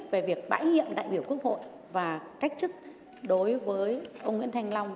về việc bãi nhiệm đại biểu quốc hội và cách chức đối với ông nguyễn thanh long